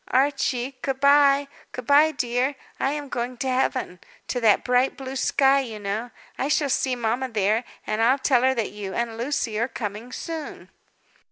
"Archie, good bye; good bye, dear, I am going to Heaven; to that bright, blue sky, you know. I shall see mamma there, and I'll tell her that you and Lucy are coming soon."